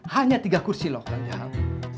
hanya tiga kursi loh kang jahat